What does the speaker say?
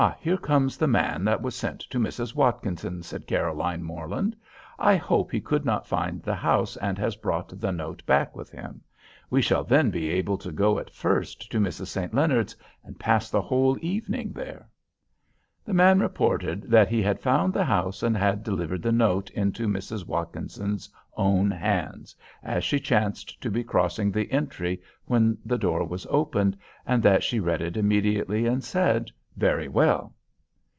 here comes the man that was sent to Mrs. Watkinson," said Caroline Morland. "I hope he could not find the house and has brought the note back with him. We shall then be able to go at first to Mrs. St. Leonard's, and pass the whole evening there." The man reported that he had found the house, and had delivered the note into Mrs. Watkinson's own hands, as she chanced to be crossing the entry when the door was opened; and that she read it immediately, and said "Very well."